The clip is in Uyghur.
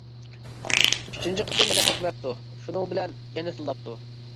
ئۈچىنچى قېتىم. يەنە تەگمەپتۇ. شۇنىڭ بىلەن. يەنە تىللاپتۇ!